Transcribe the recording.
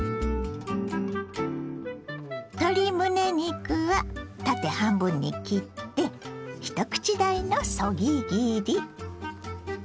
鶏むね肉は縦半分に切って一口大のそぎ切り。